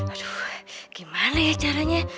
aduh gimana ya caranya